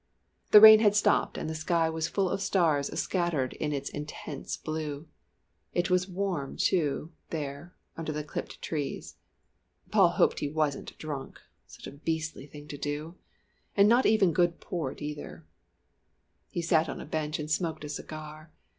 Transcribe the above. The rain had stopped and the sky was full of stars scattered in its intense blue. It was warm, too, there, under the clipped trees, Paul hoped he wasn't drunk such a beastly thing to do! And not even good port either. He sat on a bench and smoked a cigar.